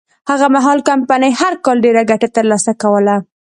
هغه مهال کمپنۍ هر کال ډېره ګټه ترلاسه کوله.